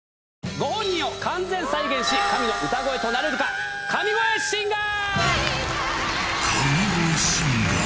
ご本人を完全再現し、神の歌声となれるか、神声シンガー！